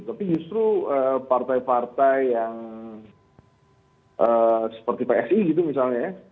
tapi justru partai partai yang seperti psi gitu misalnya ya